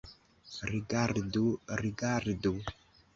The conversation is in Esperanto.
Rigardu, rigardu!